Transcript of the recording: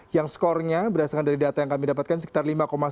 yang skornya berdasarkan dari data yang kami dapatkan sekitar lima satu